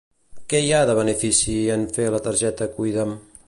Què hi ha de benefici en fer la targeta Cuida'm?